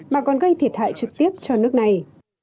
mà còn gây thiệt hại trực tiếp cho nước này